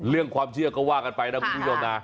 เรื่องความเชื่อก็ว่ากันไปนะคุณผู้ชมนะ